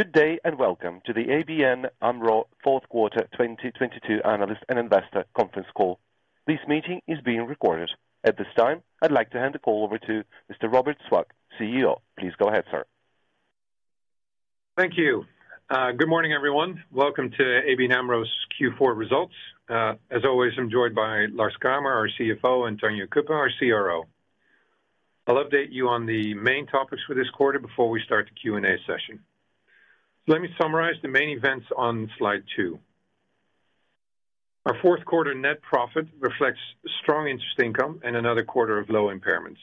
Good day, welcome to the ABN AMRO fourth quarter 2022 analyst and investor conference call. This meeting is being recorded. At this time, I'd like to hand the call over to Mr. Robert Swaak, CEO. Please go ahead, sir. Thank you. Good morning, everyone. Welcome to ABN AMRO's Q4 results. As always, I'm joined by Lars Kramer, our CFO, and Tanja Cuppen, our CRO. I'll update you on the main topics for this quarter before we start the Q&A session. Let me summarize the main events on Slide 2. Our fourth quarter net profit reflects strong interest income and another quarter of low impairments.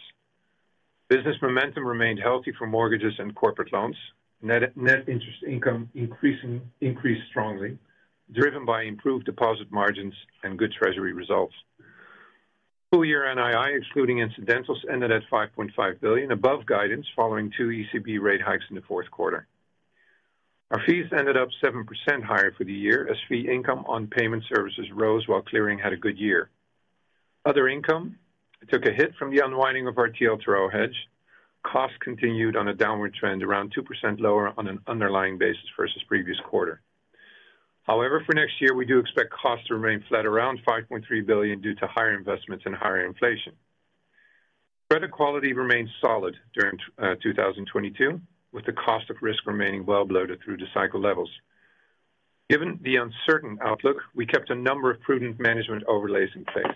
Business momentum remained healthy for mortgages and corporate loans. Net interest income increased strongly, driven by improved deposit margins and good treasury results. Full year NII, excluding incidentals, ended at 5.5 billion, above guidance following two ECB rate hikes in the fourth quarter. Our fees ended up 7% higher for the year as fee income on payment services rose while clearing had a good year. Other income took a hit from the unwinding of our TLTRO hedge. Costs continued on a downward trend, around 2% lower on an underlying basis versus previous quarter. For next year, we do expect costs to remain flat around 5.3 billion due to higher investments and higher inflation. Credit quality remained solid during 2022, with the cost of risk remaining well below the through-the-cycle levels. Given the uncertain outlook, we kept a number of prudent management overlays in place.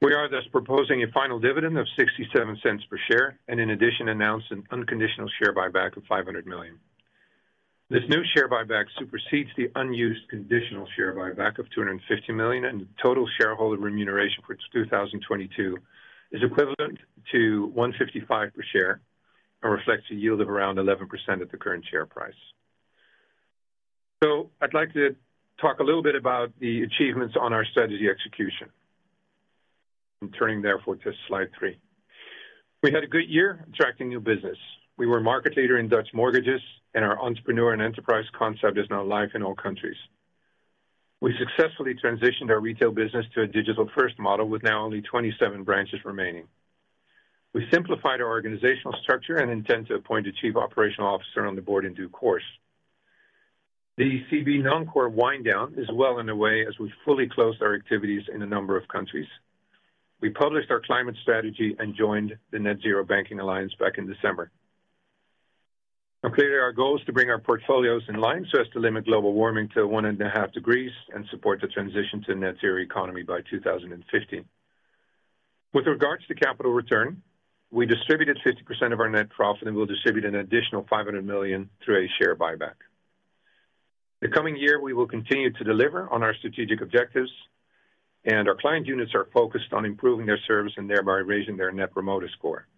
We are thus proposing a final dividend of 0.67 per share, and in addition announced an unconditional share buyback of 500 million. This new share buyback supersedes the unused conditional share buyback of 250 million. Total shareholder remuneration for 2022 is equivalent to 1.55 per share and reflects a yield of around 11% of the current share price. I'd like to talk a little bit about the achievements on our strategy execution. I'm turning therefore to Slide 3. We had a good year attracting new business. We were market leader in Dutch mortgages, and our entrepreneur and enterprise concept is now live in all countries. We successfully transitioned our retail business to a digital first model, with now only 27 branches remaining. We simplified our organizational structure and intend to appoint a chief operational officer on the board in due course. The ECB non-core wind down is well underway as we fully close our activities in a number of countries. We published our climate strategy and joined the Net-Zero Banking Alliance back in December. Clearly our goal is to bring our portfolios in line so as to limit global warming to one and a half degrees and support the transition to net zero economy by 2050. With regards to capital return, we distributed 50% of our net profit and will distribute an additional 500 million through a share buyback. The coming year, we will continue to deliver on our strategic objectives. Our client units are focused on improving their service and thereby raising their net promoter score.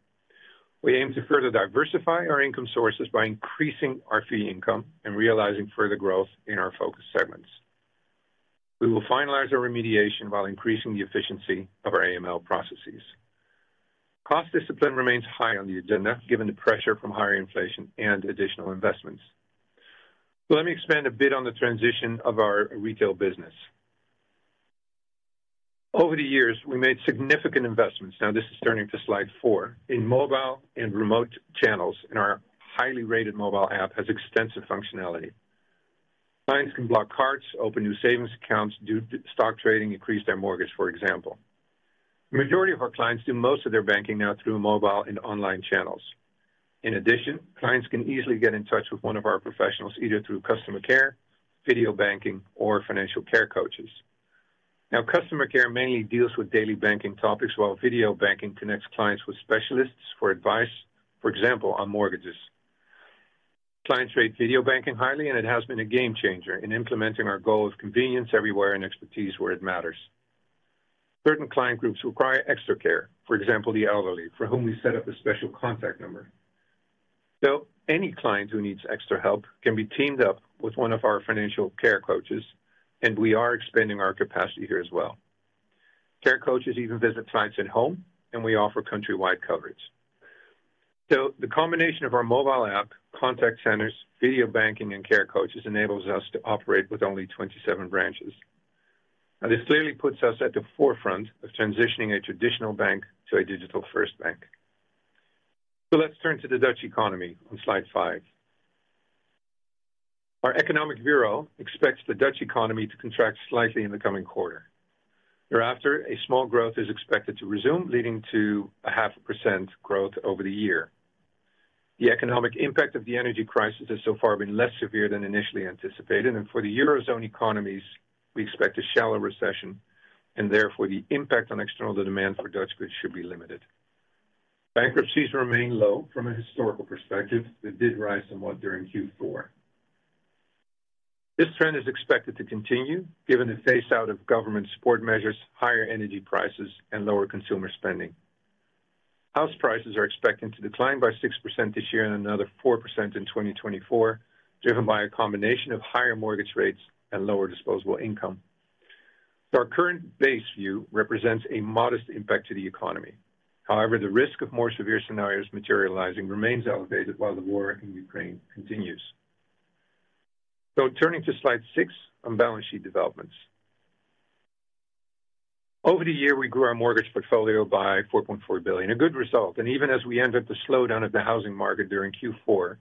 We aim to further diversify our income sources by increasing our fee income and realizing further growth in our focus segments. We will finalize our remediation while increasing the efficiency of our AML processes. Cost discipline remains high on the agenda, given the pressure from higher inflation and additional investments. Let me expand a bit on the transition of our retail business. Over the years, we made significant investments, this is turning to Slide 4, in mobile and remote channels, and our highly rated mobile app has extensive functionality. Clients can block cards, open new savings accounts, do stock trading, increase their mortgage, for example. The majority of our clients do most of their banking now through mobile and online channels. In addition, clients can easily get in touch with one of our professionals, either through customer care, video banking, or financial care coaches. Now, customer care mainly deals with daily banking topics, while video banking connects clients with specialists for advice, for example, on mortgages. Clients rate video banking highly, and it has been a game changer in implementing our goal of convenience everywhere and expertise where it matters. Certain client groups require extra care, for example, the elderly, for whom we set up a special contact number. Any client who needs extra help can be teamed up with one of our financial care coaches, and we are expanding our capacity here as well. Care coaches even visit clients at home, and we offer countrywide coverage. The combination of our mobile app, contact centers, video banking, and care coaches enables us to operate with only 27 branches. This clearly puts us at the forefront of transitioning a traditional bank to a digital first bank. Let's turn to the Dutch economy on Slide 5. Our economic bureau expects the Dutch economy to contract slightly in the coming quarter. A small growth is expected to resume, leading to a half a percent growth over the year. The economic impact of the energy crisis has so far been less severe than initially anticipated. For the Eurozone economies, we expect a shallow recession and the impact on external demand for Dutch goods should be limited. Bankruptcies remain low from a historical perspective, but did rise somewhat during Q4. This trend is expected to continue given the phase out of government support measures, higher energy prices, and lower consumer spending. House prices are expected to decline by 6% this year and another 4% in 2024, driven by a combination of higher mortgage rates and lower disposable income. Our current base view represents a modest impact to the economy. However, the risk of more severe scenarios materializing remains elevated while the war in Ukraine continues. Turning to Slide 6 on balance sheet developments. Over the year, we grew our mortgage portfolio by 4.4 billion, a good result. Even as we entered the slowdown of the housing market during Q4,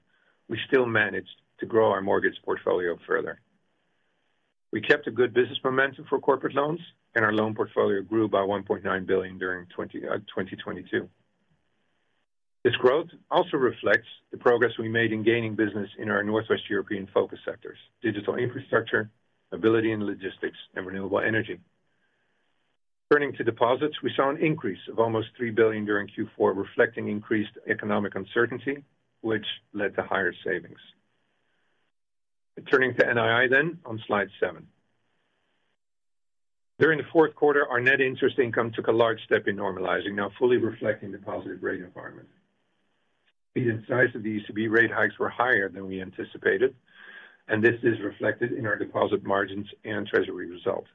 we still managed to grow our mortgage portfolio further. We kept a good business momentum for corporate loans, and our loan portfolio grew by 1.9 billion during 2022. This growth also reflects the progress we made in gaining business in our Northwest European focus sectors, digital infrastructure, mobility and logistics, and renewable energy. Turning to deposits, we saw an increase of almost 3 billion during Q4 reflecting increased economic uncertainty, which led to higher savings. Turning to NII on Slide 7. During the fourth quarter, our net interest income took a large step in normalizing, now fully reflecting the positive rate environment. The size of the ECB rate hikes were higher than we anticipated, and this is reflected in our deposit margins and treasury results.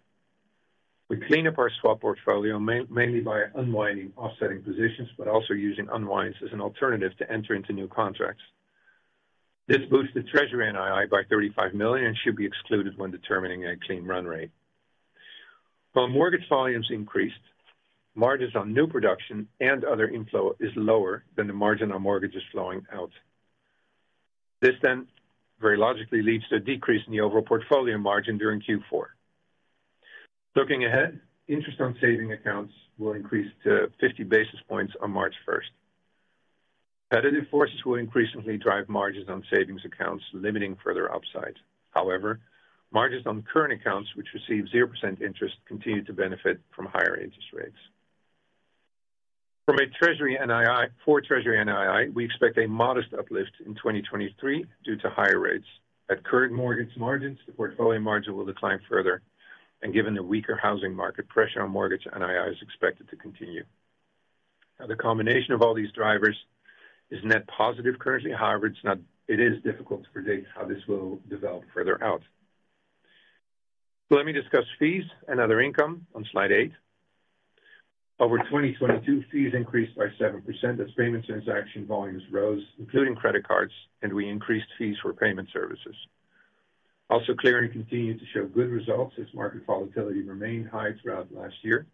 We cleaned up our swap portfolio mainly by unwinding offsetting positions, but also using unwinds as an alternative to enter into new contracts. This boosted treasury NII by 35 million and should be excluded when determining a clean run rate. While mortgage volumes increased, margins on new production and other inflow is lower than the margin on mortgages flowing out. This very logically leads to a decrease in the overall portfolio margin during Q4. Looking ahead, interest on saving accounts will increase to 50 basis points on March 1. Competitive forces will increasingly drive margins on savings accounts, limiting further upside. Margins on current accounts which receive 0% interest continue to benefit from higher interest rates. For treasury NII, we expect a modest uplift in 2023 due to higher rates. At current mortgage margins, the portfolio margin will decline further. Given the weaker housing market pressure on mortgage NII is expected to continue. The combination of all these drivers is net positive currently. However, it is difficult to predict how this will develop further out. Let me discuss fees and other income on Slide 8. Over 2022, fees increased by 7% as payment transaction volumes rose, including credit cards. We increased fees for payment services. Clearing continued to show good results as market volatility remained high throughout last year.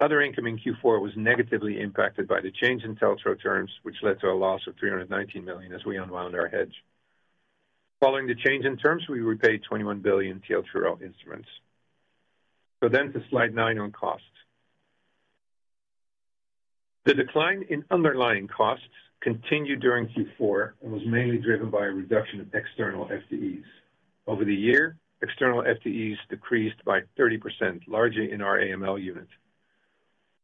Other income in Q4 was negatively impacted by the change in TLTRO terms, which led to a loss of 319 million as we unwound our hedge. Following the change in terms, we repaid 21 billion TLTRO instruments. To Slide nine on costs. The decline in underlying costs continued during Q4 and was mainly driven by a reduction of external FTEs. Over the year, external FTEs decreased by 30%, largely in our AML unit.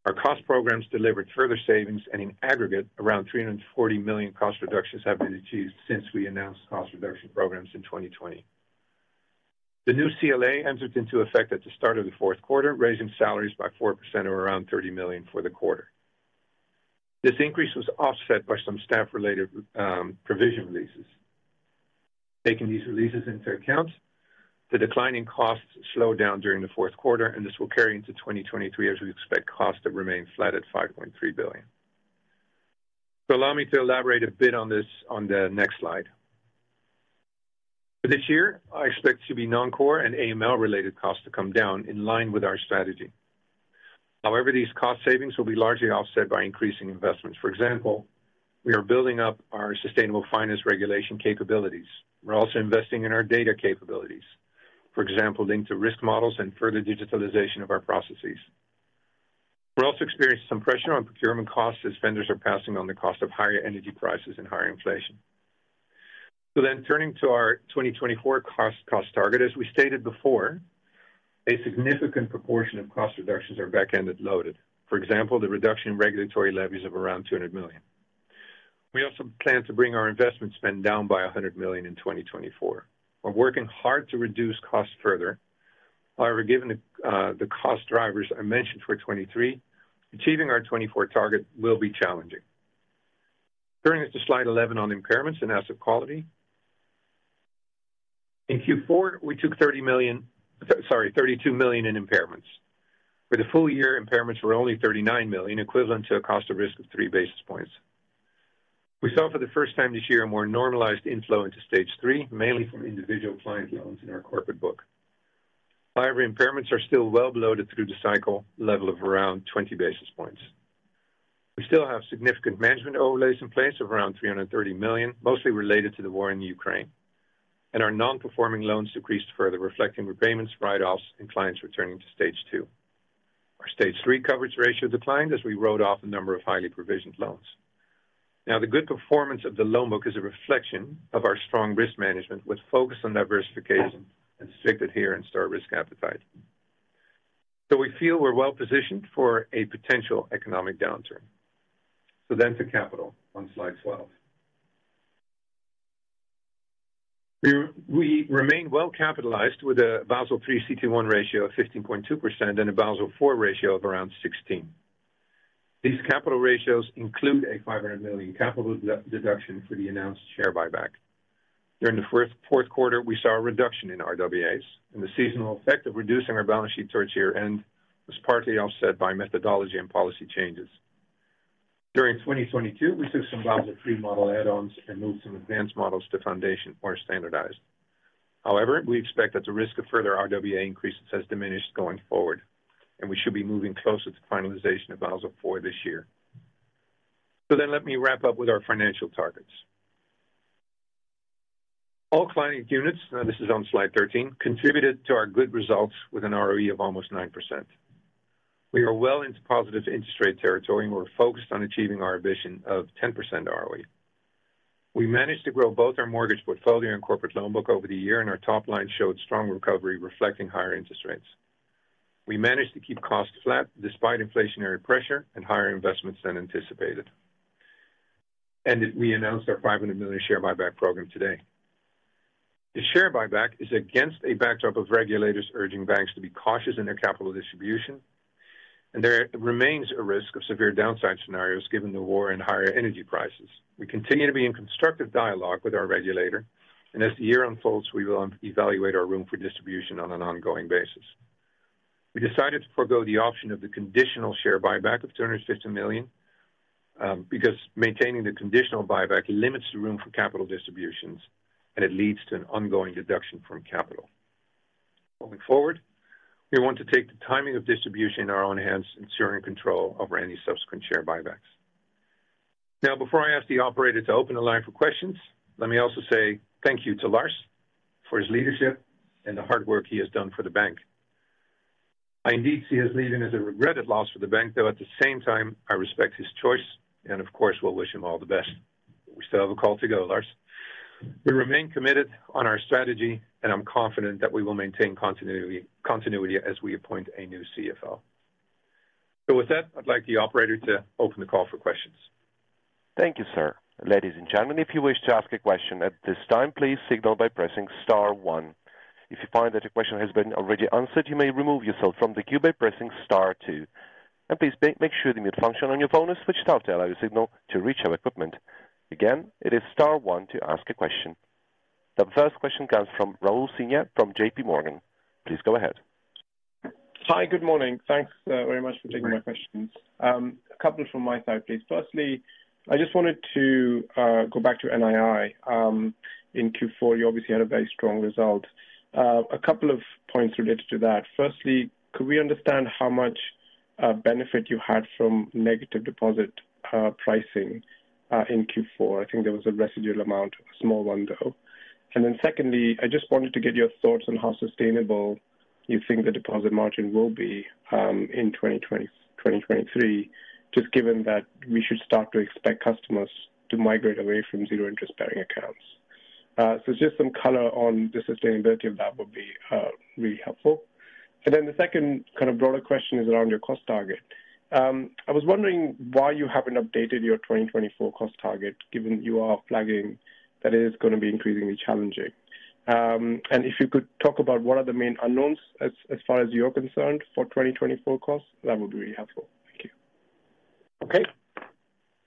Our cost programs delivered further savings, and in aggregate around 340 million cost reductions have been achieved since we announced cost reduction programs in 2020. The new CLA entered into effect at the start of the fourth quarter, raising salaries by 4% or around 30 million for the quarter. This increase was offset by some staff-related provision releases. Taking these releases into account, the decline in costs slowed down during the fourth quarter, and this will carry into 2023 as we expect costs to remain flat at 5.3 billion. Allow me to elaborate a bit on this on the next Slide. For this year, I expect to be non-core and AML related costs to come down in line with our strategy. These cost savings will be largely offset by increasing investments. For example, we are building up our sustainable finance regulation capabilities. We're also investing in our data capabilities. For example, linked to risk models and further digitalization of our processes. We're also experiencing some pressure on procurement costs as vendors are passing on the cost of higher energy prices and higher inflation. Turning to our 2024 cost target. As we stated before, a significant proportion of cost reductions are back-end loaded. For example, the reduction in regulatory levies of around 200 million. We also plan to bring our investment spend down by 100 million in 2024. We're working hard to reduce costs further. However, given the cost drivers I mentioned for 2023, achieving our 2024 target will be challenging. Turning to Slide 11 on impairments and asset quality. In Q4, we took 30 million, sorry, 32 million in impairments. For the full year, impairments were only 39 million, equivalent to a cost of risk of three basis points. We saw for the first time this year a more normalized inflow into Stage 3, mainly from individual client loans in our corporate book. However, impairments are still well below the through-the-cycle level of around twenty basis points. We still have significant management overlays in place of around 330 million, mostly related to the war in Ukraine. Our non-performing loans decreased further, reflecting repayments, write-offs, and clients returning to Stage 2. Our Stage 3 coverage ratio declined as we wrote off a number of highly provisioned loans. The good performance of the loan book is a reflection of our strong risk management with focus on diversification and strict adherence to our risk appetite. We feel we're well positioned for a potential economic downturn. To capital on Slide 12. We remain well capitalized with a Basel III CET1 ratio of 15.2% and a Basel IV ratio of around 16. These capital ratios include a 500 million capital deduction for the announced share buyback. During the first fourth quarter, we saw a reduction in RWAs, and the seasonal effect of reducing our balance sheet towards year-end was partly offset by methodology and policy changes. During 2022, we took some Basel III model add-ons and moved some advanced models to foundation or standardized. However, we expect that the risk of further RWA increases has diminished going forward, and we should be moving closer to finalization of Basel IV this year. Let me wrap up with our financial targets. All client units, this is on Slide 13, contributed to our good results with an ROE of almost 9%. We are well into positive interest rate territory, and we're focused on achieving our vision of 10% ROE. We managed to grow both our mortgage portfolio and corporate loan book over the year, and our top line showed strong recovery reflecting higher interest rates. We managed to keep costs flat despite inflationary pressure and higher investments than anticipated. We announced our 500 million share buyback program today. The share buyback is against a backdrop of regulators urging banks to be cautious in their capital distribution, and there remains a risk of severe downside scenarios given the war and higher energy prices. We continue to be in constructive dialogue with our regulator, and as the year unfolds, we will evaluate our room for distribution on an ongoing basis. We decided to forgo the option of the conditional share buyback of 250 million because maintaining the conditional buyback limits the room for capital distributions, and it leads to an ongoing deduction from capital. Moving forward, we want to take the timing of distribution in our own hands, ensuring control over any subsequent share buybacks. Before I ask the operator to open the line for questions, let me also say thank you to Lars for his leadership and the hard work he has done for the bank. I indeed see his leaving as a regretted loss for the bank, though at the same time I respect his choice and of course will wish him all the best. We still have a call to go, Lars. We remain committed on our strategy, and I'm confident that we will maintain continuity as we appoint a new CFO. With that, I'd like the operator to open the call for questions. Thank you, sir. Ladies and gentlemen, if you wish to ask a question at this time, please signal by pressing star one. If you find that your question has been already answered, you may remove yourself from the queue by pressing star two. Please make sure the mute function on your phone is switched off to allow your signal to reach our equipment. Again, it is star one to ask a question. The first question comes from Rahul Singha from JP Morgan. Please go ahead. Hi. Good morning. Thanks very much for taking my questions. A couple from my side, please. Firstly, I just wanted to go back to NII. In Q4, you obviously had a very strong result. A couple of points related to that. Firstly, could we understand how much benefit you had from negative deposit pricing in Q4? I think there was a residual amount, a small one, though. Secondly, I just wanted to get your thoughts on how sustainable you think the deposit margin will be in 2023, just given that we should start to expect customers to migrate away from zero interest bearing accounts. Just some color on the sustainability of that would be really helpful. The second kind of broader question is around your cost target. I was wondering why you haven't updated your 2024 cost target, given you are flagging that it is going to be increasingly challenging. If you could talk about what are the main unknowns as far as you're concerned for 2024 costs, that would be really helpful. Thank you. Okay.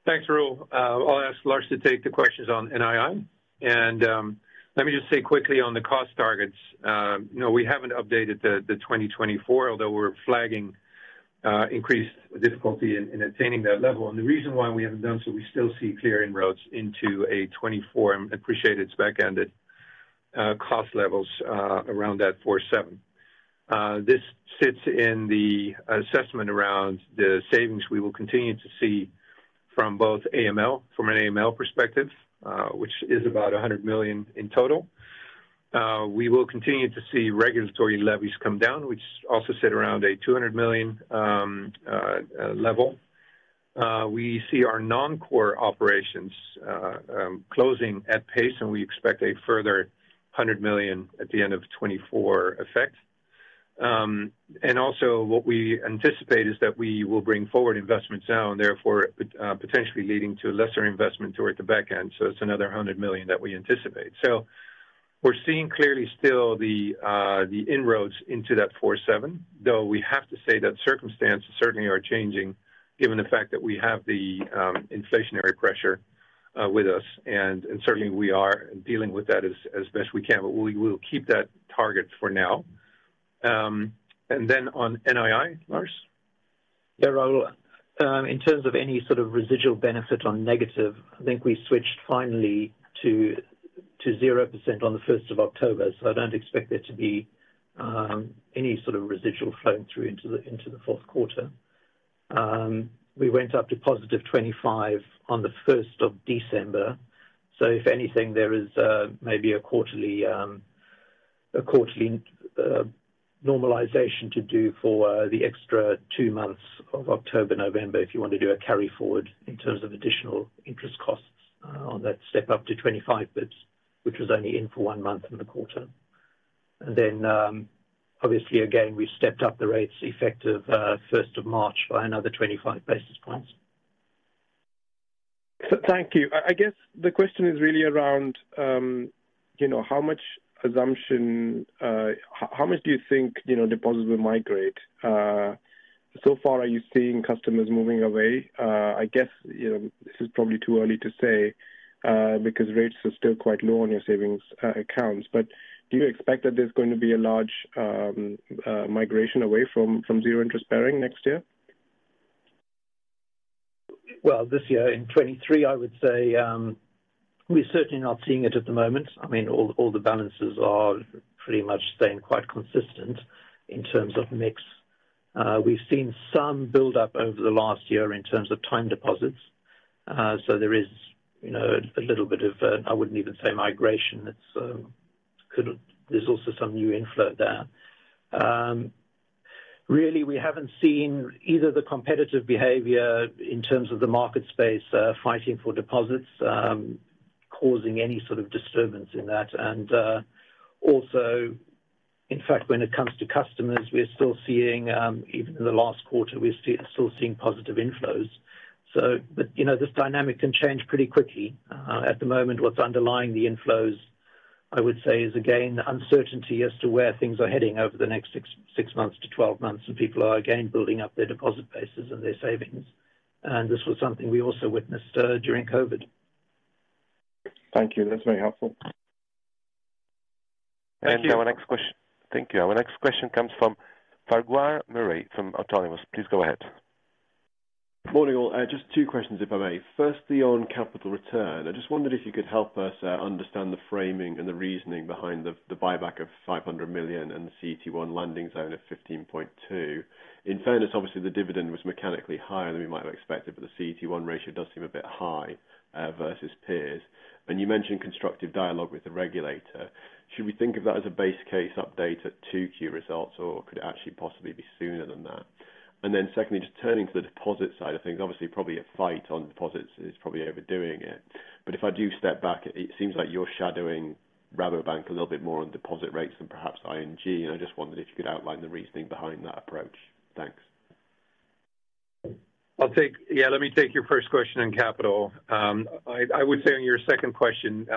Thanks, Rahul. I'll ask Lars to take the questions on NII. Let me just say quickly on the cost targets, you know, we haven't updated the 2024, although we're flagging increased difficulty in attaining that level. The reason why we haven't done so, we still see clear inroads into a 2024 appreciated back-end cost levels around that 4.7. This sits in the assessment around the savings we will continue to see from both AML, from an AML perspective, which is about 100 million in total. We will continue to see regulatory levies come down, which also sit around a 200 million level. We see our non-core operations closing at pace, and we expect a further 100 million at the end of 2024 effect. Also what we anticipate is that we will bring forward investments now and therefore, potentially leading to a lesser investment toward the back end. It's another 100 million that we anticipate. We're seeing clearly still the inroads into that 4.7, though we have to say that circumstances certainly are changing given the fact that we have the inflationary pressure with us. Certainly we are dealing with that as best we can. We will keep that target for now. Then on NII, Lars. Yeah, Rahul. In terms of any sort of residual benefit on negative, I think we switched finally to 0% on the 1st of October, so I don't expect there to be any sort of residual flowing through into the fourth quarter. We went up to +25 on the 1st of December, so if anything there is maybe a quarterly normalization to do for the extra 2 months of October, November, if you want to do a carry forward in terms of additional interest costs on that step up to 25 basis points, which was only in for 1 month in the quarter. Obviously again, we've stepped up the rates effective 1st of March by another 25 basis points. Thank you. I guess the question is really around, you know, how much assumption, how much do you think, you know, deposits will migrate? So far, are you seeing customers moving away? I guess, you know, this is probably too early to say, because rates are still quite low on your savings accounts. Do you expect that there's going to be a large migration away from zero interest bearing next year? Well, this year in 2023, I would say, we're certainly not seeing it at the moment. I mean, all the balances are pretty much staying quite consistent in terms of mix. We've seen some build-up over the last year in terms of time deposits. There is, you know, a little bit of I wouldn't even say migration. It's, There's also some new inflow there. Really, we haven't seen either the competitive behavior in terms of the market space, fighting for deposits, causing any sort of disturbance in that. Also, in fact, when it comes to customers, we're still seeing, even in the last quarter, we're still seeing positive inflows. You know, this dynamic can change pretty quickly. At the moment, what's underlying the inflows, I would say, is again, the uncertainty as to where things are heading over the next 6 months to 12 months, and people are again building up their deposit bases and their savings. This was something we also witnessed during COVID. Thank you. That's very helpful. Thank you. Thank you. Our next question comes from Farquhar Murray from Autonomous. Please go ahead. Morning, all. Just 2 questions, if I may. Firstly, on capital return. I just wondered if you could help us understand the framing and the reasoning behind the buyback of 500 million and the CET1 lending zone of 15.2. In fairness, obviously, the dividend was mechanically higher than we might have expected, the CET1 ratio does seem a bit high versus peers. You mentioned constructive dialogue with the regulator. Should we think of that as a base case update at 2Q results, or could it actually possibly be sooner than that? Secondly, just turning to the deposit side of things, obviously, probably a fight on deposits is probably overdoing it. If I do step back, it seems like you're shadowing Rabobank a little bit more on deposit rates than perhaps ING. I just wondered if you could outline the reasoning behind that approach. Thanks. I'll take. Yeah, let me take your first question on capital. I would say on your second question,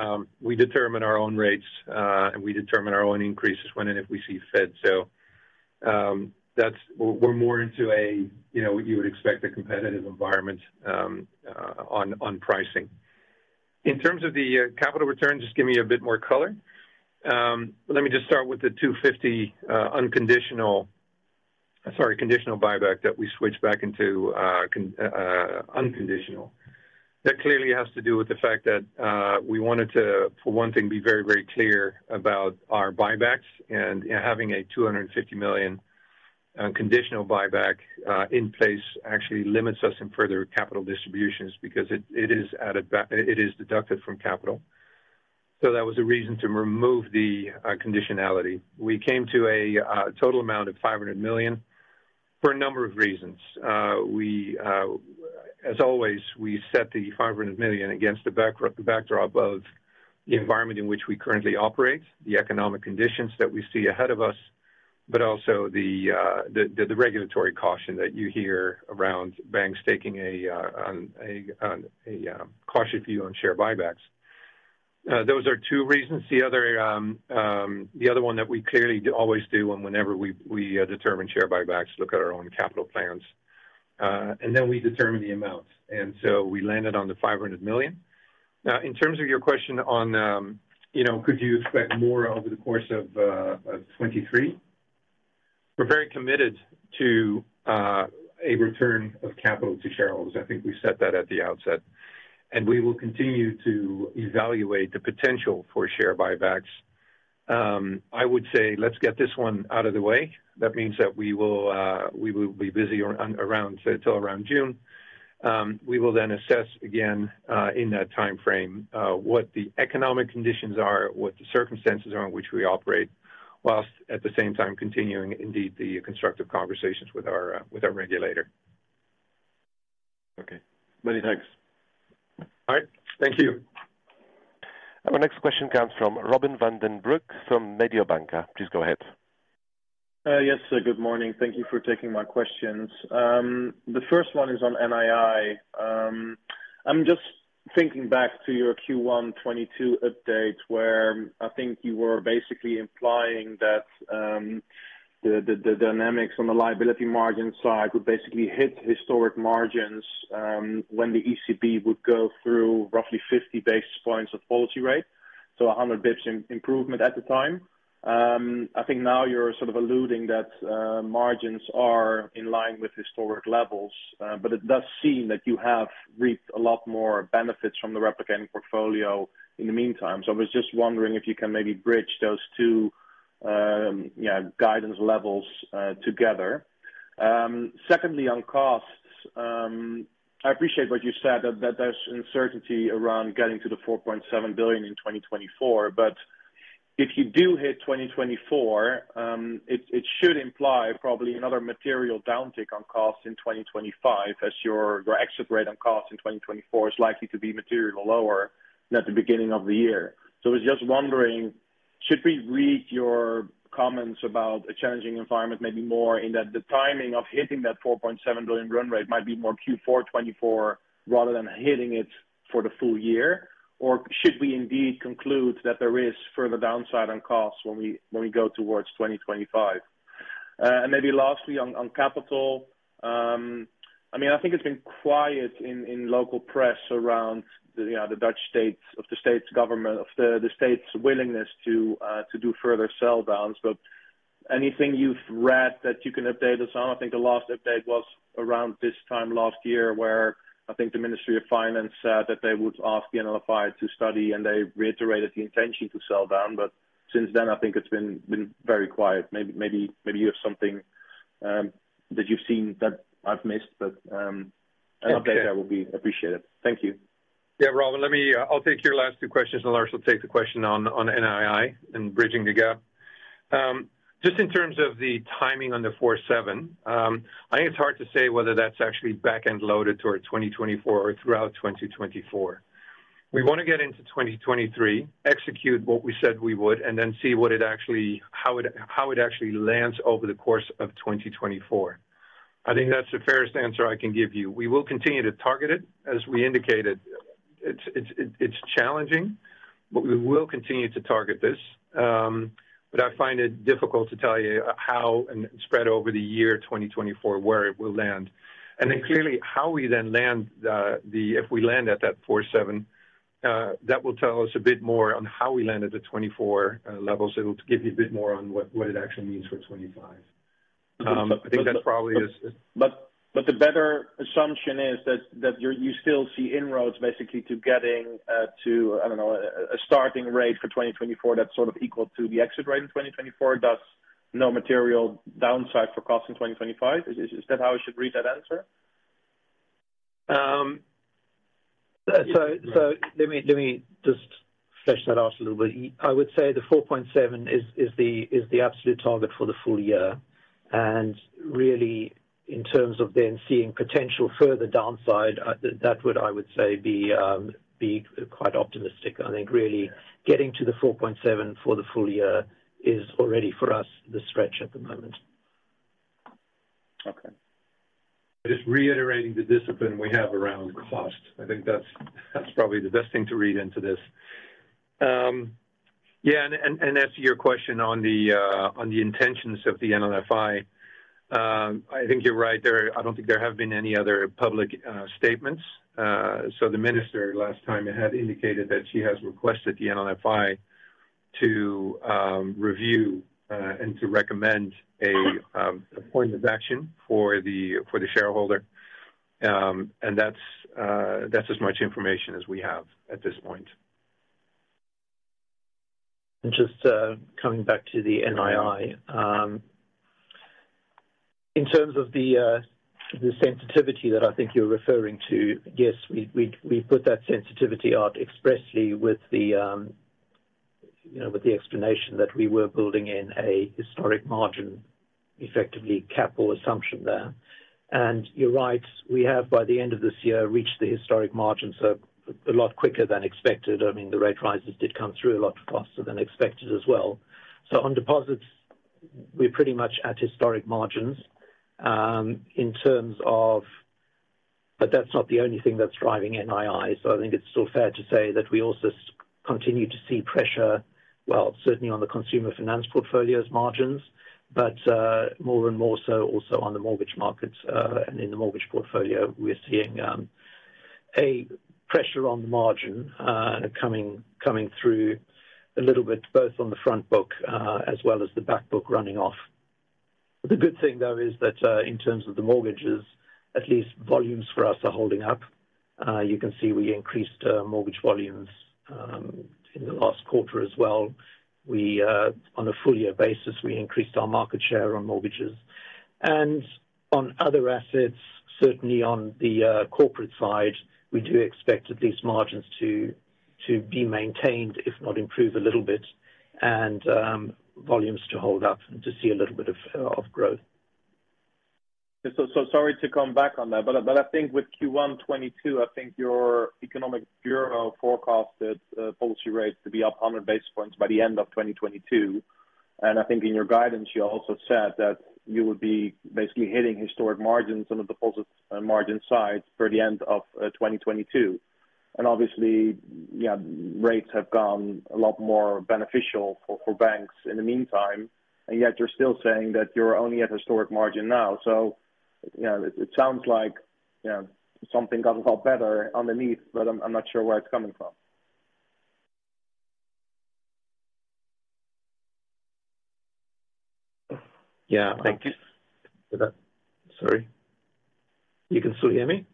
we determine our own rates and we determine our own increases when and if we see fit. That's. We're more into a, you know, you would expect a competitive environment on pricing. In terms of the capital return, just give me a bit more color. Let me just start with the 250 unconditional. Sorry, conditional buyback that we switched back into unconditional. That clearly has to do with the fact that we wanted to, for one thing, be very, very clear about our buybacks, and having a 250 million unconditional buyback in place actually limits us in further capital distributions because it is deducted from capital. That was a reason to remove the conditionality. We came to a total amount of 500 million for a number of reasons. We, as always, we set the 500 million against the backdrop of the environment in which we currently operate, the economic conditions that we see ahead of us, but also the regulatory caution that you hear around banks taking a cautious view on share buybacks. Those are two reasons. The other, the other one that we clearly always do whenever we determine share buybacks, look at our own capital plans. Then we determine the amounts, so we landed on the 500 million. Now, in terms of your question on, you know, could you expect more over the course of 2023? We're very committed to a return of capital to shareholders. I think we set that at the outset. We will continue to evaluate the potential for share buybacks. I would say, let's get this one out of the way. That means that we will be busy around, say, till around June. We will then assess again, in that timeframe, what the economic conditions are, what the circumstances are in which we operate, whilst at the same time continuing, indeed, the constructive conversations with our, with our regulator. Okay. Many thanks. All right. Thank you. Our next question comes from Robin van den Broek from Mediobanca. Please go ahead. Yes, good morning. Thank you for taking my questions. The first one is on NII. I'm just thinking back to your Q1 2022 update, where I think you were basically implying that the dynamics on the liability margin side would basically hit historic margins when the ECB would go through roughly 50 basis points of policy rate, so 100 basis points improvement at the time. I think now you're sort of alluding that margins are in line with historic levels, but it does seem that you have reaped a lot more benefits from the replicating portfolio in the meantime. I was just wondering if you can maybe bridge those two, you know, guidance levels together. Secondly, on costs, I appreciate what you said, that there's uncertainty around getting to the 4.7 billion in 2024. If you do hit 2024, it should imply probably another material downtick on costs in 2025 as your exit rate on costs in 2024 is likely to be materially lower than at the beginning of the year. I was just wondering, should we read your comments about a challenging environment, maybe more in that the timing of hitting that 4.7 billion run rate might be more Q4 2024 rather than hitting it for the full year? Should we indeed conclude that there is further downside on costs when we go towards 2025? Maybe lastly on capital, I mean, I think it's been quiet in local press around the, you know, the Dutch states, of the state's government, of the state's willingness to do further sell downs. Anything you've read that you can update us on? I think the last update was around this time last year, where I think the Ministry of Finance said that they would ask the NLFI to study, and they reiterated the intention to sell down. Since then, I think it's been very quiet. Maybe you have something that you've seen that I've missed. An update there will be appreciated. Thank you. Robin, let me I'll take your last two questions, and Lars will take the question on NII and bridging the gap. Just in terms of the timing on the 4-7, I think it's hard to say whether that's actually back-end loaded toward 2024 or throughout 2024. We want to get into 2023, execute what we said we would, and then see how it actually lands over the course of 2024. I think that's the fairest answer I can give you. We will continue to target it, as we indicated. It's challenging, but we will continue to target this. But I find it difficult to tell you how, and spread over the year 2024, where it will land. Clearly, how we then land the if we land at that 4-7, that will tell us a bit more on how we land at the 24 levels. It'll give you a bit more on what it actually means for 25. I think that probably is. The better assumption is that you still see inroads basically to getting to, I don't know, a starting rate for 2024 that's sort of equal to the exit rate in 2024, thus no material downside for cost in 2025. Is that how I should read that answer? Let me just flesh that out a little bit. I would say the EUR 4.7% is the absolute target for the full year. Really, in terms of then seeing potential further downside, that would, I would say, be quite optimistic. I think really getting to the 4.7% for the full year is already, for us, the stretch at the moment. Okay. Just reiterating the discipline we have around cost. I think that's probably the best thing to read into this. As to your question on the intentions of the NLFI, I think you're right. I don't think there have been any other public statements. The minister last time had indicated that she has requested the NLFI to review and to recommend a point of action for the shareholder. That's as much information as we have at this point. Just coming back to the NII. In terms of the sensitivity that I think you're referring to, yes, we put that sensitivity out expressly with the, you know, with the explanation that we were building in a historic margin, effectively capital assumption there. You're right, we have, by the end of this year, reached the historic margin, so a lot quicker than expected. I mean, the rate rises did come through a lot faster than expected as well. On deposits, we're pretty much at historic margins. That's not the only thing that's driving NII. I think it's still fair to say that we also continue to see pressure, well, certainly on the consumer finance portfolio's margins, but more and more so also on the mortgage markets. In the mortgage portfolio, we're seeing a pressure on the margin, coming through a little bit, both on the front book, as well as the back book running off. The good thing, though, is that in terms of the mortgages, at least volumes for us are holding up. You can see we increased mortgage volumes in the last quarter as well. We on a full year basis, we increased our market share on mortgages. On other assets, certainly on the corporate side, we do expect at least margins to be maintained, if not improve a little bit, and volumes to hold up and to see a little bit of growth. Sorry to come back on that, but I think with Q1 2022, I think your economic bureau forecasted policy rates to be up 100 base points by the end of 2022. I think in your guidance, you also said that you would be basically hitting historic margins on the deposit margin side for the end of 2022. Obviously, you know, rates have gone a lot more beneficial for banks in the meantime, and yet you're still saying that you're only at historic margin now. You know, it sounds like, you know, something got a lot better underneath, but I'm not sure where it's coming from. Yeah. Thank you. Sorry. You can still hear me?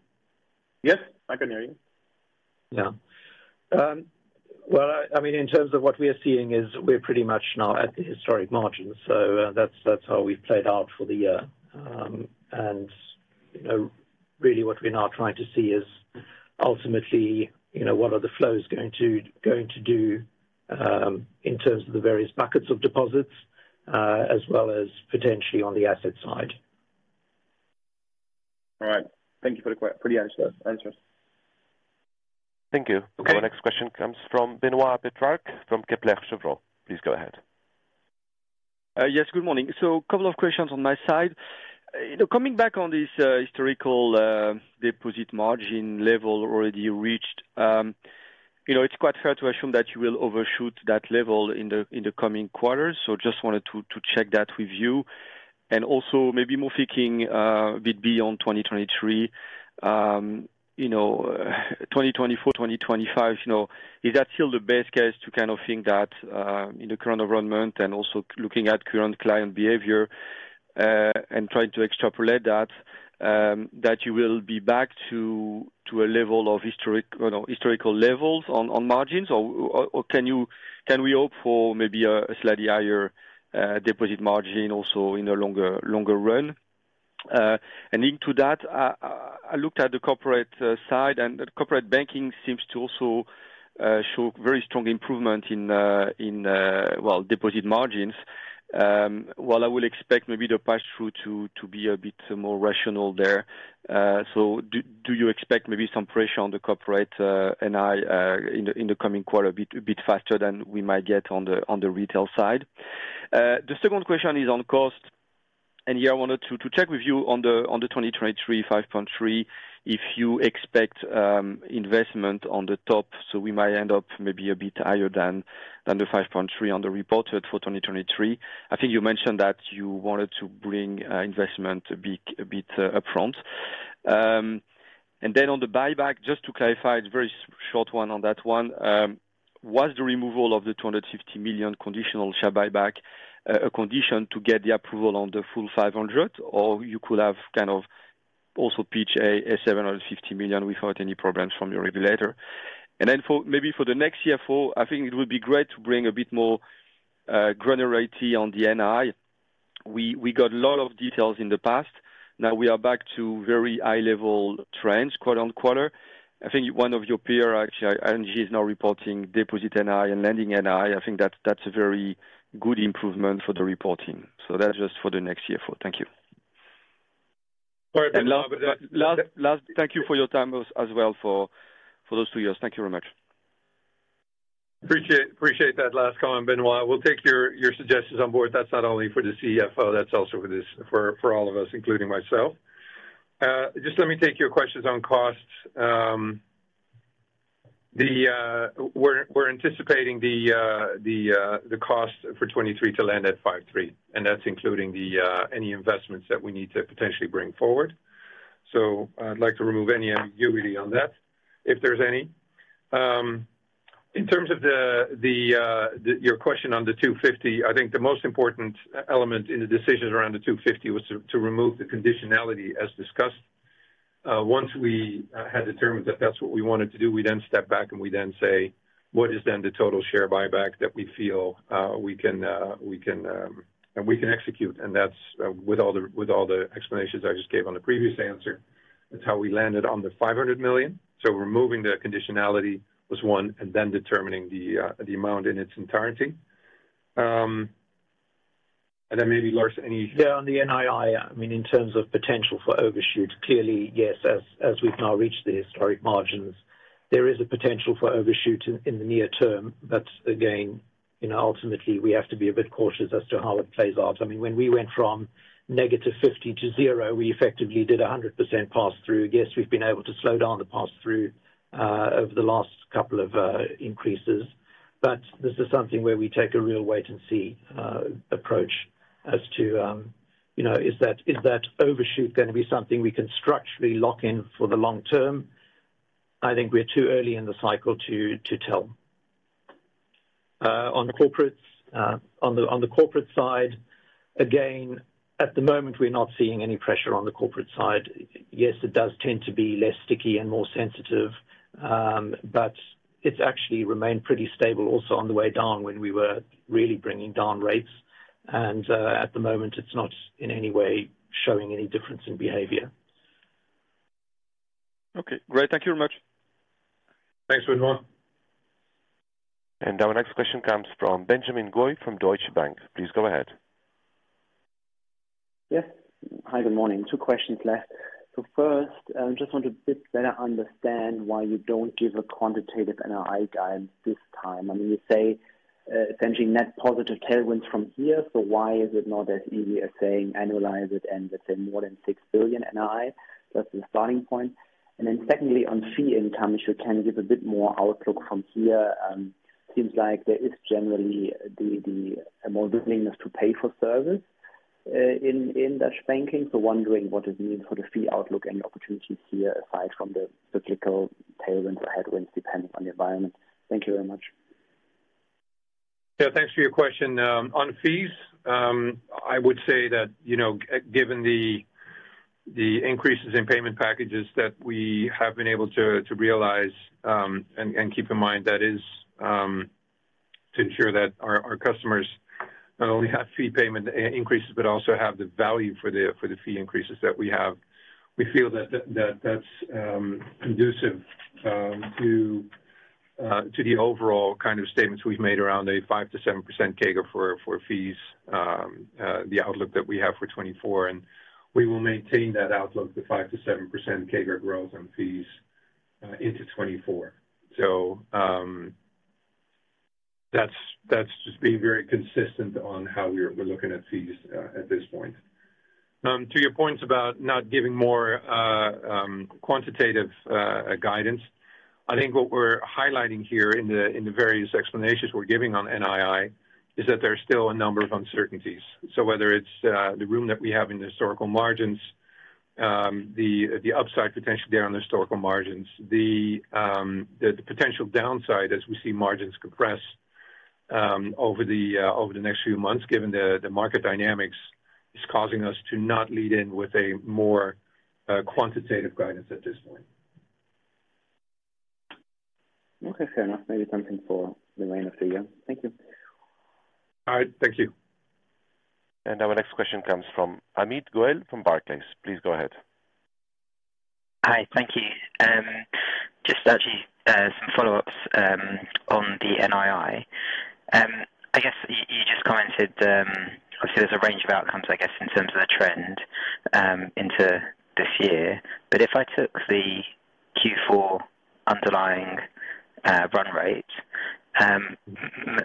Yes, I can hear you. Well, I mean, in terms of what we are seeing is we're pretty much now at the historic margins. That's how we've played out for the year. You know, really what we're now trying to see is ultimately, you know, what are the flows going to do, in terms of the various buckets of deposits, as well as potentially on the asset side. All right. Thank you for the for the answer. Thank you. Okay. Our next question comes from Benoît Pétrarque from Kepler Cheuvreux. Please go ahead. Yes, good morning. Couple of questions on my side. You know, coming back on this, historical deposit margin level already reached, you know, it's quite fair to assume that you will overshoot that level in the, in the coming quarters. Just wanted to check that with you. Also maybe more thinking a bit beyond 2023, you know, 2024, 2025, you know, is that still the best case to kind of think that in the current environment and also looking at current client behavior and trying to extrapolate that you will be back to a level of historical levels on margins? Can we hope for maybe a slightly higher deposit margin also in the longer run? Into that, I looked at the corporate side, and the corporate banking seems to also show very strong improvement in, well, deposit margins. While I will expect maybe the pass-through to be a bit more rational there. Do you expect maybe some pressure on the corporate NIII in the coming quarter faster than we might get on the retail side? The second question is on cost, and here I wanted to check with you on the 2023 5.3 billion, if you expect investment on the top, so we might end up maybe a bit higher than the 5.3 on the reported for 2023. I think you mentioned that you wanted to bring investment a bit upfront. Then on the buyback, just to clarify, it's very short one on that one. Was the removal of the 250 million conditional share buyback a condition to get the approval on the full 500, or you could have kind of also pitched a 750 million without any problems from your regulator? Then maybe for the next year forward, I think it would be great to bring a bit more granularity on the NI. We got a lot of details in the past. Now we are back to very high level trends quarter-on-quarter. I think one of your peer actually, ING, is now reporting deposit NI and lending NI. I think that's a very good improvement for the reporting. That's just for the next year forward. Thank you. All right, Benoît. Last, thank you for your time as well for those two years. Thank you very much. Appreciate that last comment, Benoît. We'll take your suggestions on board. That's not only for the CFO, that's also for all of us, including myself. Just let me take your questions on costs. We're anticipating the cost for 23 to land at 5.3, and that's including any investments that we need to potentially bring forward. I'd like to remove any ambiguity on that, if there's any. In terms of your question on the 250, I think the most important element in the decisions around the 250 was to remove the conditionality as discussed. Once we had determined that that's what we wanted to do, we then stepped back and we then say, "What is then the total share buyback that we feel, we can, we can execute?" That's with all the explanations I just gave on the previous answer. That's how we landed on the 500 million. Removing the conditionality was 1, and then determining the amount in its entirety. Maybe Lars, any- On the NII, I mean, in terms of potential for overshoot, clearly, yes, as we've now reached the historic margins, there is a potential for overshoot in the near term. That's again, you know, ultimately, we have to be a bit cautious as to how it plays out. I mean, when we went from -50 to 0, we effectively did a 100% pass through. Yes, we've been able to slow down the pass through over the last couple of increases. This is something where we take a real wait-and-see approach as to, you know, is that overshoot gonna be something we can structurally lock in for the long term? I think we're too early in the cycle to tell. On the corporates, on the corporate side, again, at the moment, we're not seeing any pressure on the corporate side. Yes, it does tend to be less sticky and more sensitive, but it's actually remained pretty stable also on the way down when we were really bringing down rates. At the moment, it's not in any way showing any difference in behavior. Okay, great. Thank you very much. Thanks, Benoît. Our next question comes from Benjamin Goy from Deutsche Bank. Please go ahead. Yes. Hi, good morning. Two questions left. First, just want to a bit better understand why you don't give a quantitative NII guide this time. I mean, you say, essentially net positive tailwinds from here, so why is it not as easy as saying annualize it and let's say more than 6 billion NII? That's the starting point. Secondly, on fee income, if you can give a bit more outlook from here. Seems like there is generally the a more willingness to pay for service in Dutch banking. Wondering what it means for the fee outlook and the opportunities here, aside from the cyclical tailwinds or headwinds, depending on the environment. Thank you very much. Yeah, thanks for your question. On fees, I would say that, you know, given the increases in payment packages that we have been able to realize, and keep in mind that is to ensure that our customers not only have fee payment increases, but also have the value for the fee increases that we have. We feel that that's conducive to the overall kind of statements we've made around a 5%-7% CAGR for fees, the outlook that we have for 2024, and we will maintain that outlook, the 5%-7% CAGR growth on fees, into 2024. That's just being very consistent on how we're looking at fees at this point. To your points about not giving more quantitative guidance, I think what we're highlighting here in the various explanations we're giving on NII, is that there are still a number of uncertainties. Whether it's the room that we have in the historical margins, the upside potential there on the historical margins, the potential downside as we see margins compress over the next few months, given the market dynamics, is causing us to not lead in with a more quantitative guidance at this point. Okay, fair enough. Maybe something for the later for you. Thank you. All right. Thank you. Our next question comes from Amit Goel from Barclays. Please go ahead. Hi. Thank you. Just actually, some follow-ups on the NII. I guess you just commented, obviously, there's a range of outcomes, I guess, in terms of the trend into this year. If I took the Q4 underlying run rate,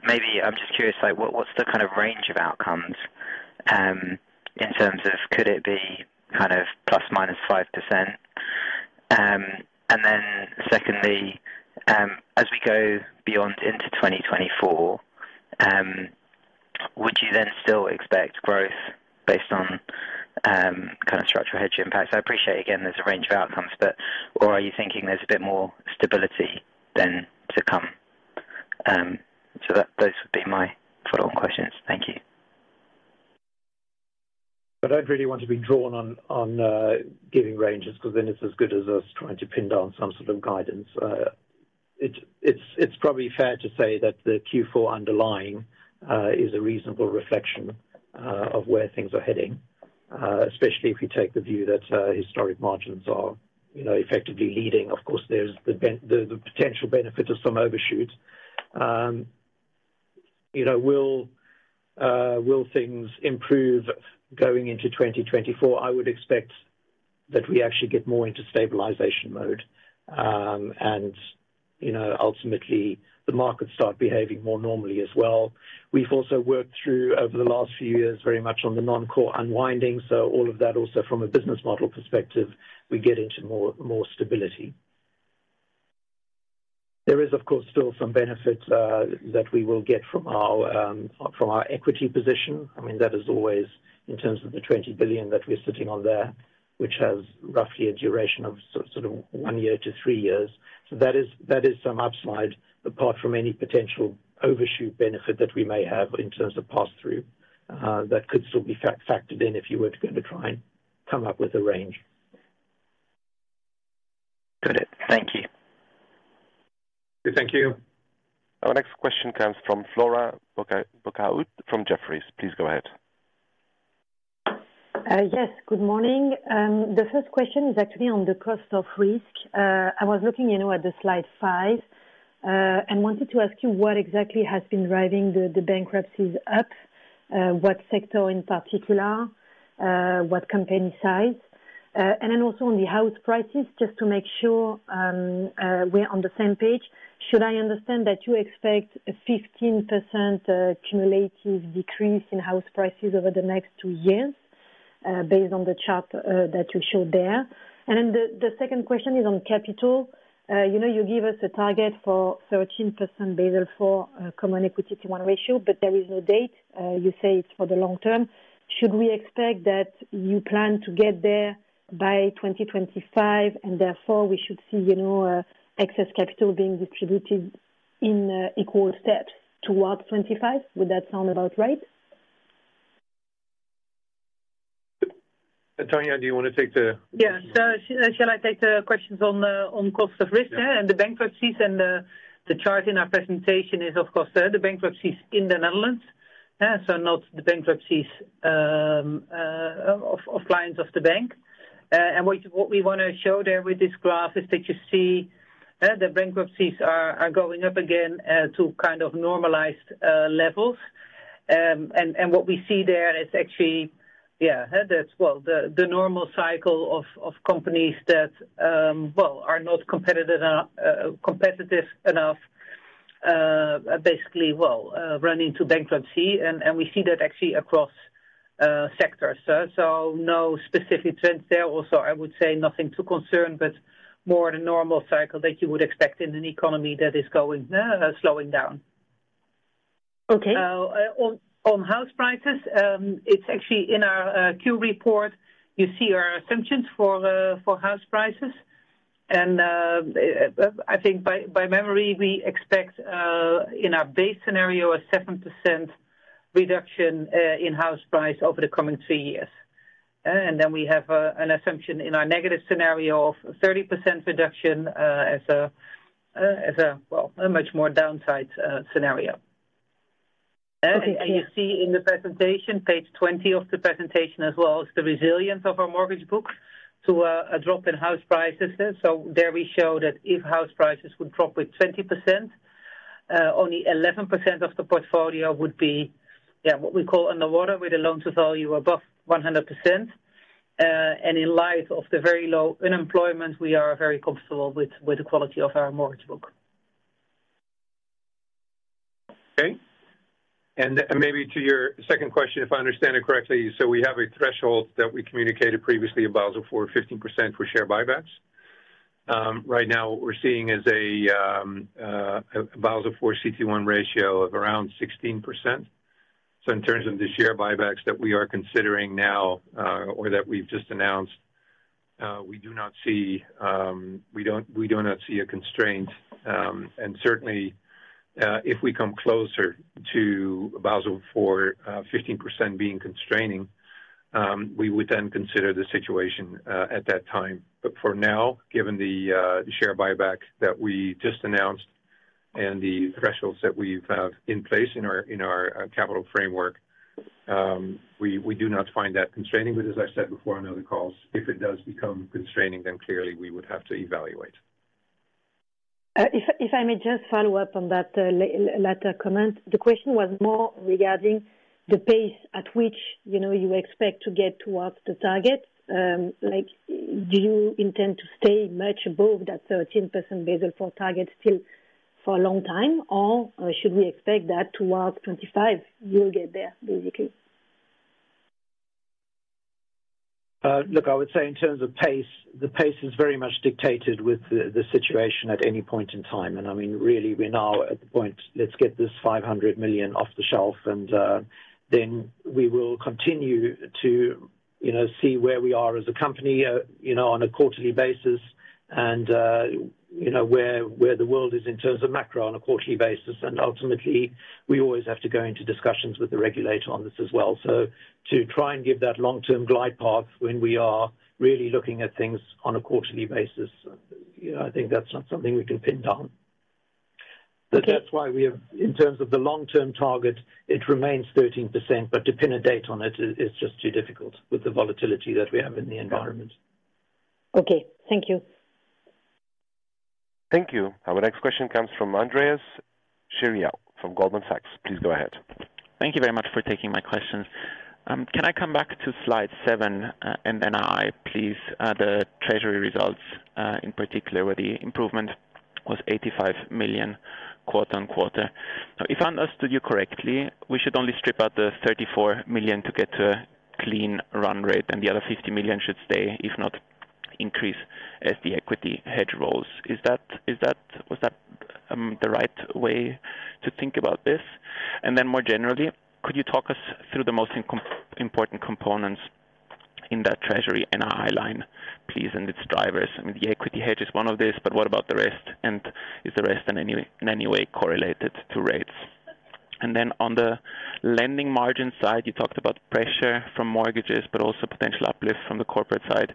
maybe I'm just curious, like, what's the kind of range of outcomes in terms of could it be kind of plus minus 5%? Secondly, as we go beyond into 2024, would you then still expect growth based on kind of structural hedge impacts? I appreciate, again, there's a range of outcomes, or are you thinking there's a bit more stability than to come? Those would be my follow-on questions. Thank you. I don't really want to be drawn on giving ranges 'cause then it's as good as us trying to pin down some sort of guidance. It's probably fair to say that the Q4 underlying is a reasonable reflection of where things are heading, especially if you take the view that historic margins are, you know, effectively leading. Of course, there's the potential benefit of some overshoot. you know, will things improve going into 2024? I would expect that we actually get more into stabilization mode, and, you know, ultimately the markets start behaving more normally as well. We've also worked through, over the last few years, very much on the non-core unwinding, so all of that also from a business model perspective, we get into more stability. There is, of course, still some benefits that we will get from our from our equity position. I mean, that is always in terms of the 20 billion that we're sitting on there, which has roughly a duration of sort of one year to three years. That is some upside, apart from any potential overshoot benefit that we may have in terms of pass-through, that could still be factored in if you were going to try and come up with a range. Got it. Thank you. Thank you. Our next question comes from Flora Bocahut from Jefferies. Please go ahead. Yes, good morning. The first question is actually on the cost of risk. I was looking, you know, at the Slide 5, and wanted to ask you what exactly has been driving the bankruptcies up, what sector in particular, what company size? Also on the house prices, just to make sure we're on the same page. Should I understand that you expect a 15% cumulative decrease in house prices over the next 2 years, based on the chart that you showed there? The second question is on capital. You know, you give us a target for 13% Basel IV Common Equity Tier 1 ratio, but there is no date. You say it's for the long term. Should we expect that you plan to get there by 2025 and therefore we should see, you know, excess capital being distributed in equal steps towards 2025? Would that sound about right? Tanja, do you wanna take. Yeah. Shall I take the questions on the, on cost of risk there and the bankruptcies and the chart in our presentation is, of course, they're the bankruptcies in the Netherlands, so not the bankruptcies of clients of the bank. What we wanna show there with this graph is that you see the bankruptcies are going up again to kind of normalized levels. What we see there is actually, yeah, that's, well, the normal cycle of companies that, well, are not competitive enough, basically, well, run into bankruptcy. We see that actually across sectors. No specific trends there. I would say nothing to concern, but more the normal cycle that you would expect in an economy that is going, slowing down. Okay. On house prices, it's actually in our Q report, you see our assumptions for house prices. I think by memory, we expect in our base scenario, a 7% reduction in house price over the coming three years. Then we have an assumption in our negative scenario of 30% reduction as a, well, a much more downside scenario. Okay. You see in the presentation, page 20 of the presentation as well, is the resilience of our mortgage book to a drop in house prices. There we show that if house prices would drop with 20%, only 11% of the portfolio would be what we call underwater with loans with value above 100%. In light of the very low unemployment, we are very comfortable with the quality of our mortgage book. Okay. Maybe to your second question, if I understand it correctly, we have a threshold that we communicated previously of Basel IV, 15% for share buybacks. Right now what we're seeing is a Basel IV CET1 ratio of around 16%. In terms of the share buybacks that we are considering now, or that we've just announced, we do not see a constraint. Certainly, if we come closer to Basel IV, 15% being constraining, we would then consider the situation at that time. For now, given the share buyback that we just announced and the thresholds that we have in place in our capital framework, we do not find that constraining. As I said before on other calls, if it does become constraining, then clearly we would have to evaluate. If I, if I may just follow up on that latter comment. The question was more regarding the pace at which, you know, you expect to get towards the target. Like do you intend to stay much above that 13% Basel IV target still for a long time? Or should we expect that towards 2025 you'll get there, basically? Look, I would say in terms of pace, the pace is very much dictated with the situation at any point in time. I mean, really we're now at the point, let's get this 500 million off the shelf, and then we will continue to, you know, see where we are as a company, you know, on a quarterly basis and, you know, where the world is in terms of macro on a quarterly basis. Ultimately, we always have to go into discussions with the regulator on this as well. To try and give that long-term glide path when we are really looking at things on a quarterly basis, you know, I think that's not something we can pin down. Okay. That's why we have, in terms of the long term target, it remains 13%, but to pin a date on it is just too difficult with the volatility that we have in the environment. Okay. Thank you. Thank you. Our next question comes from Andreas Scheriau from Goldman Sachs. Please go ahead. Thank you very much for taking my questions. Can I come back to Slide 7, and NII, please, the treasury results, in particular, where the improvement was 85 million quarter on quarter. If I understood you correctly, we should only strip out the 34 million to get a clean run rate and the other 50 million should stay, if not increase as the equity hedge rolls. Is that the right way to think about this? More generally, could you talk us through the most important components in that treasury NII line, please, and its drivers? I mean, the equity hedge is one of this, but what about the rest? Is the rest in any way correlated to rates? On the lending margin side, you talked about pressure from mortgages, but also potential uplift from the corporate side.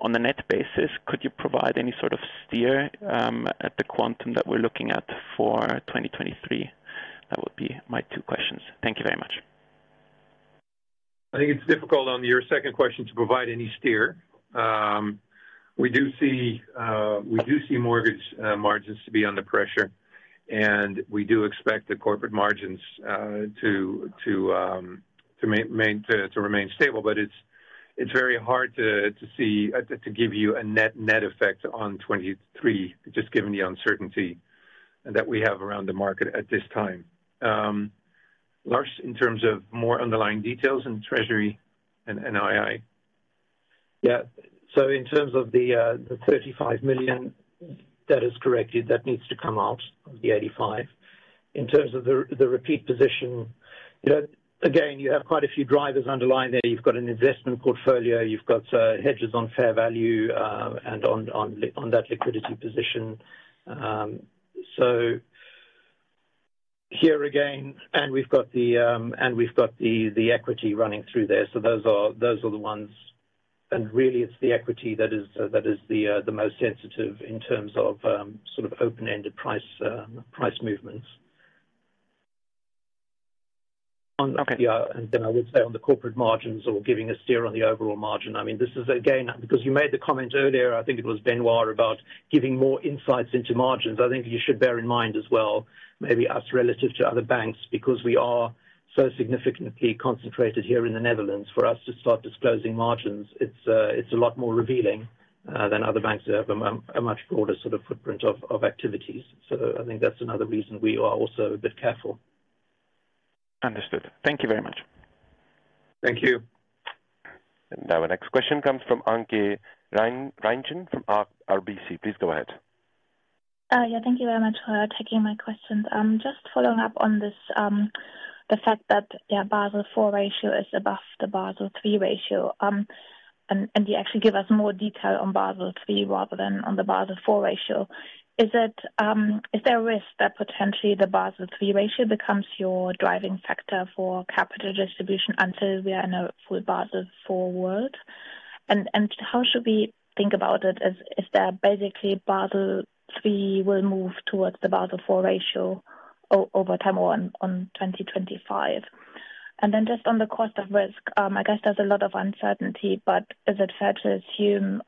On a net basis, could you provide any sort of steer, at the quantum that we're looking at for 2023? That would be my two questions. Thank you very much. I think it's difficult on your second question to provide any steer. We do see mortgage margins to be under pressure, we do expect the corporate margins to remain stable. It's very hard to see to give you a net effect on 2023, just given the uncertainty that we have around the market at this time. Lars, in terms of more underlying details in treasury and NII. In terms of the 35 million, that is correct. That needs to come out of the 85 million. In terms of the repeat position, you know, again, you have quite a few drivers underlying there. You've got an investment portfolio, you've got hedges on fair value, and on that liquidity position. Here again. And we've got the equity running through there. Those are the ones. Really it's the equity that is the most sensitive in terms of sort of open-ended price movements. Okay. I would say on the corporate margins or giving a steer on the overall margin, I mean, this is again, because you made the comment earlier, I think it was Benoit, about giving more insights into margins. I think you should bear in mind as well, maybe us relative to other banks, because we are so significantly concentrated here in the Netherlands, for us to start disclosing margins, it's a lot more revealing than other banks that have a much broader sort of footprint of activities. I think that's another reason we are also a bit careful. Understood. Thank you very much. Thank you. Now our next question comes from Anke Reingen from RBC. Please go ahead. Yeah. Thank you very much for taking my questions. Just following up on this, the fact that, yeah, Basel IV ratio is above the Basel III ratio, and you actually give us more detail on Basel III rather than on the Basel IV ratio. Is it, is there a risk that potentially the Basel III ratio becomes your driving factor for capital distribution until we are in a full Basel IV world? How should we think about it as if they're basically Basel III will move towards the Basel IV ratio over time or on 2025? Then just on the cost of risk, I guess there's a lot of uncertainty, is it fair to assume,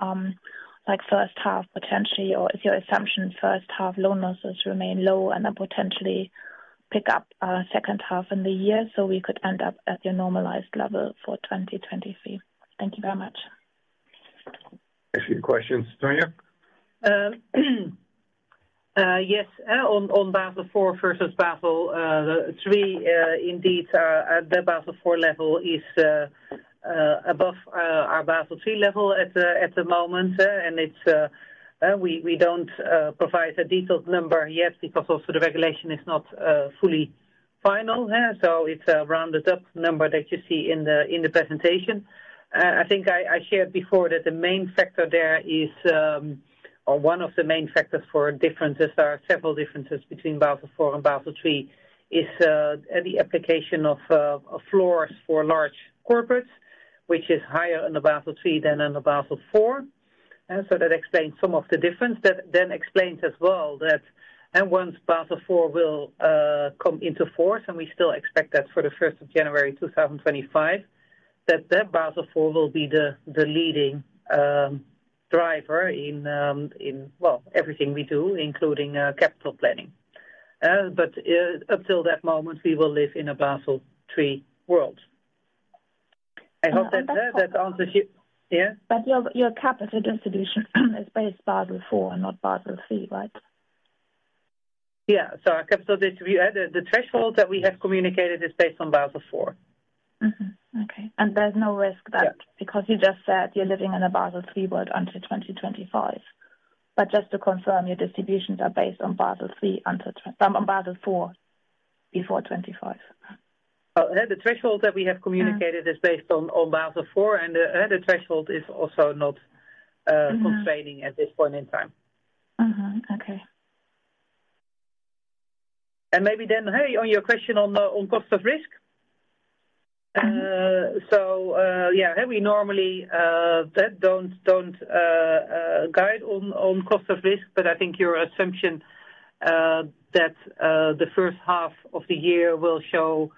like first half potentially, or is your assumption first half loan losses remain low and then potentially pick up, second half in the year, so we could end up at your normalized level for 2023? Thank you very much. A few questions. Tanja? Yes, on Basel IV versus Basel III, indeed, the Basel IV level is above our Basel III level at the moment. It's we don't provide a detailed number yet because also the regulation is not fully final. It's a rounded up number that you see in the presentation. I think I shared before that the main factor there is or one of the main factors for differences are several differences between Basel IV and Basel III is the application of floors for large corporates, which is higher in the Basel III than in the Basel IV. That explains some of the difference. That explains as well that once Basel IV will come into force, and we still expect that for the 1st of January 2025, that Basel IV will be the leading driver in, well, everything we do, including capital planning. Up till that moment, we will live in a Basel III world. I hope that answers you. Yeah. Your capital distribution is based Basel IV and not Basel III, right? Yeah. We, the threshold that we have communicated is based on Basel IV. Mm-hmm. Okay. There's no risk that- Yeah. You just said you're living in a Basel III world until 2025. Just to confirm, your distributions are based on Basel III until on Basel IV, before 25. The threshold that we have communicated- Mm. is based on Basel IV, and the threshold is also not. Mm-hmm. Constraining at this point in time. Mm-hmm. Okay. Maybe then, hey, on your question on cost of risk. Mm-hmm. Yeah. We normally don't guide on cost of risk, but I think your assumption that the first half of the year will show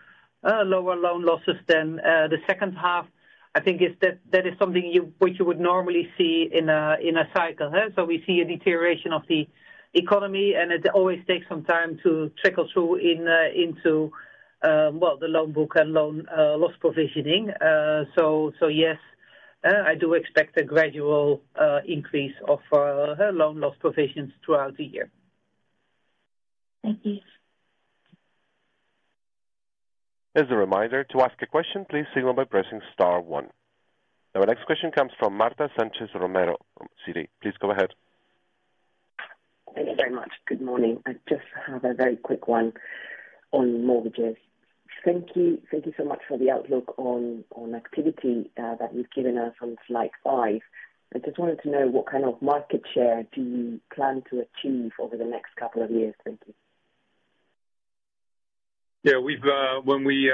lower loan losses than the second half, I think is that is something which you would normally see in a cycle. We see a deterioration of the economy, and it always takes some time to trickle through into, well, the loan book and loan loss provisioning. Yes, I do expect a gradual increase of loan loss provisions throughout the year. Thank you. As a reminder, to ask a question, please signal by pressing star one. Our next question comes from Marta Sánchez Romero from Citi. Please go ahead. Thank you very much. Good morning. I just have a very quick one on mortgages. Thank you so much for the outlook on activity that you've given us on Slide 5. I just wanted to know what kind of market share do you plan to achieve over the next couple of years. Thank you. Yeah, we've, when we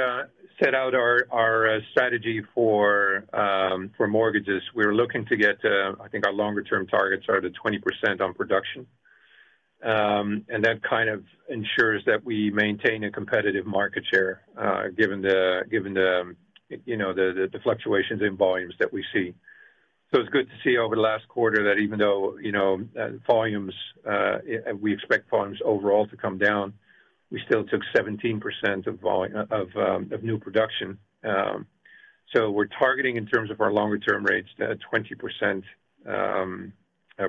set out our strategy for mortgages, we're looking to get, I think our longer term targets are at a 20% on production. That, kind of, ensures that we maintain a competitive market share, given the, given the, you know, the fluctuations in volumes that we see. It's good to see over the last quarter that even though, you know, volumes, we expect volumes overall to come down, we still took 17% of new production. We're targeting in terms of our longer term rates to 20%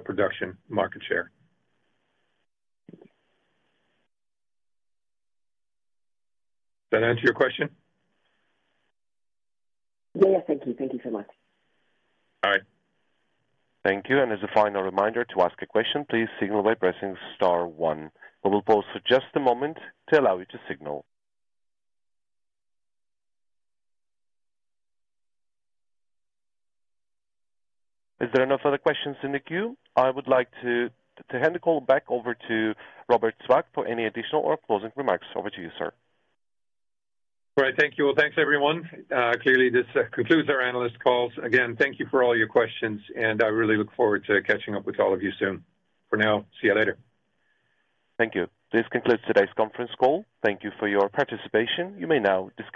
production market share. That answer your question? Yeah, thank you. Thank you so much. All right. Thank you. As a final reminder, to ask a question, please signal by pressing star one. We will pause for just a moment to allow you to signal. Is there no further questions in the queue? I would like to hand the call back over to Robert Swaak for any additional or closing remarks. Over to you, sir. Great. Thank you. Well, thanks, everyone. Clearly this concludes our analyst calls. Again, thank you for all your questions, and I really look forward to catching up with all of you soon. For now, see you later. Thank you. This concludes today's conference call. Thank you for your participation. You may now disconnect.